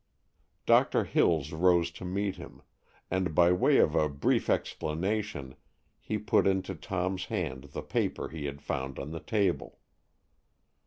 Doctor Hills rose to meet him, and by way of a brief explanation he put into Tom's hand the paper he had found on the table.